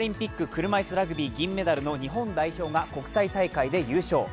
車いすラグビー銅メダルの日本代表が国際大会で優勝。